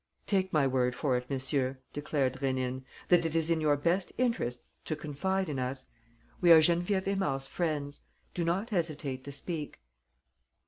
"Take my word for it, monsieur," declared Rénine, "that it is in your best interests to confide in us. We are Geneviève Aymard's friends. Do not hesitate to speak."